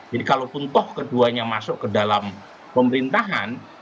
jadi kalau pun toh keduanya masuk ke dalam pemerintahan